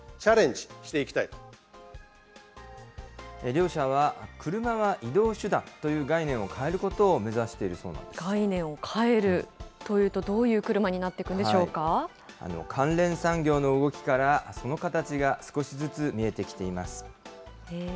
両社は、車は移動手段という概念を変えることを目指している概念を変えるというと、どう関連産業の動きから、その形が少しずつ見えてきています。